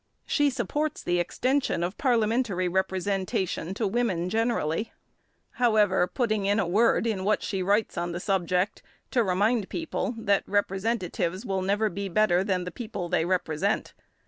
She supports the extension of parliamentary representation to women, generally, however, putting in a word in what she writes on the subject, to remind people that representatives will never be better than the people they represent.